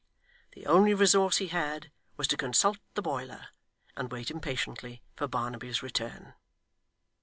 The only resource he had, was to consult the boiler, and wait impatiently for Barnaby's return.